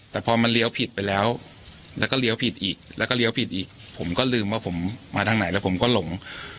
แต่พอมันเลี้ยวผิดไปแล้วแล้วก็เลี้ยวผิดอีกแล้วก็เลี้ยวผิดอีกผมก็ลืมว่าผมมาทางไหนแล้วผมก็หลง